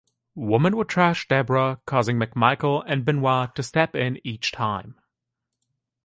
Woman would trash Debra, causing McMichael and Benoit to step in each time.